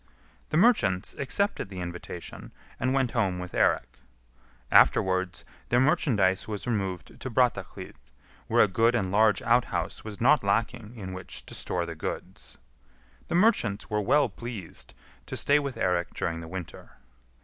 The merchants accepted the invitation, and went home with Eirik. Afterwards their merchandise was removed to Brattahlid, where a good and large outhouse was not lacking in which to store the goods. The merchants were well pleased to stay with Eirik during the winter.